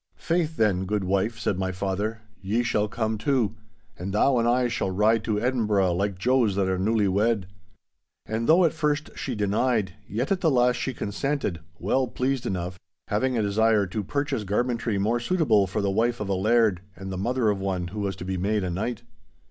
'Faith then, good wife,' said my father, 'ye shall come too. And thou and I shall ride to Edinburgh like joes that are newly wed.' And though at first she denied, yet at the last she consented, well pleased enough—having a desire to purchase garmentry more suitable for the wife of a laird and the mother of one who was to be made a knight.